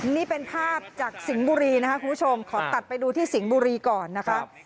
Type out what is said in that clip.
นี่เป็นภาพจากสิงห์บุรีนะคะคุณผู้ชมขอตัดไปดูที่สิงห์บุรีก่อนนะคะ